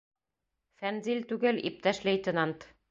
— Фәнзил түгел, иптәш лейтенант.